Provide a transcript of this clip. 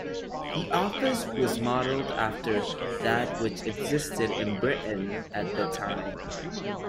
The office was modelled after that which existed in Britain at the time.